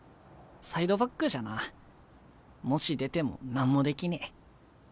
サイドバックじゃなもし出ても何もできねえ。